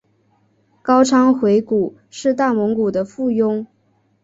高昌回鹘是大蒙古国的附庸。